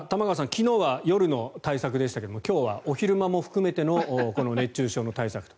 昨日は夜の対策でしたけど今日はお昼間も含めてのこの熱中症の対策と。